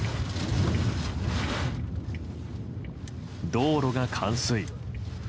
道路が冠水。